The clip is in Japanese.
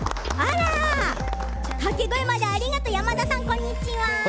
掛け声までありがとう山田さん、こんにちは。